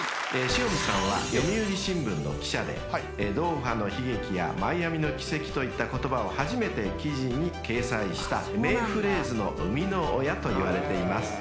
［塩見さんは読売新聞の記者でドーハの悲劇やマイアミの奇跡といった言葉を初めて記事に掲載した名フレーズの生みの親といわれています］